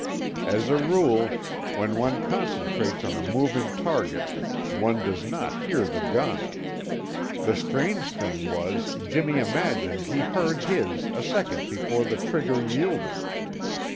As a rule, when one concentrates on a moving target one does not hear the gun; the strange thing was Jimmy imagined he heard his a second before the trigger yielded.